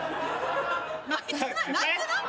泣いてない？